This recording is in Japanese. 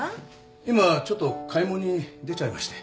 今ちょっと買い物に出ちゃいまして。